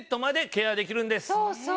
そうそう。